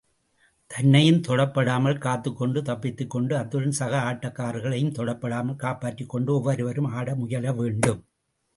தன்னையும் தொடப்படாமல் காத்துக்கொண்டு, தப்பித்துக்கொண்டு, அத்துடன் சக ஆட்டக்காரர்களையும் தொடப்படாமல் காப்பாற்றிக்கொண்டு, ஒவ்வொருவரும் ஆட முயல வேண்டும்.